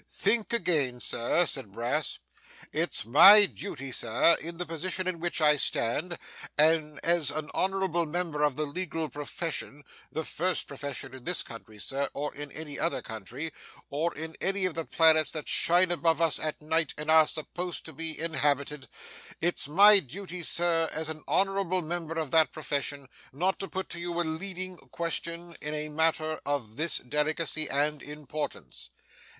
'Think again, Sir,' said Brass; 'it's my duty, Sir, in the position in which I stand, and as an honourable member of the legal profession the first profession in this country, Sir, or in any other country, or in any of the planets that shine above us at night and are supposed to be inhabited it's my duty, Sir, as an honourable member of that profession, not to put to you a leading question in a matter of this delicacy and importance.